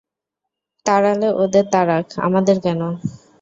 তাড়ালে ওদের তাড়াক, আমাদের কেন?